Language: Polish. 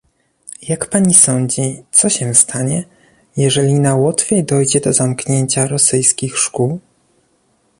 Jak Pani sądzi, co się stanie, jeżeli na Łotwie dojdzie do zamknięcia rosyjskich szkół?